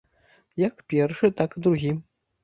Як першы, так другі.